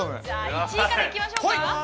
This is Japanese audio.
◆１位から行きましょうか。